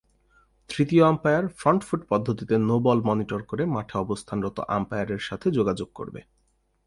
তৃতীয় umpire front foot পদ্ধতিতে no ball monitor করে মাঠে অবস্থানরত আম্পায়ারের সাথে যোগাযোগ করবে।